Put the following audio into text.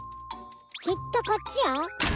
きっとこっちよ！